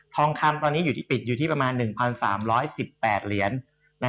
ทองคำปิดอยู่ที่ประมาณ๑๓๑๘เหรียญ